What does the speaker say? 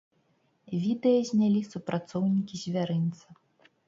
Відэа знялі супрацоўнікі звярынца.